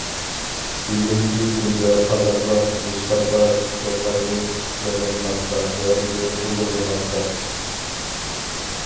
بۈگۈنكى كۈندە قازاقلار مۇستاپا چوقاينى سېغىنماقتا ۋە ئۇنى ئۇلۇغلىماقتا.